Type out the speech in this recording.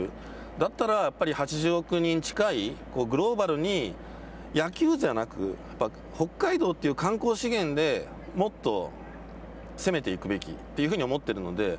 だったらやっぱり８０億人近いグローバルに、野球じゃなく北海道という観光資源で、もっと攻めていくべきというふうに思っているので。